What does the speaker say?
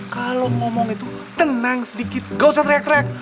kalau ngomong itu tenang sedikit gak usah teriak teriak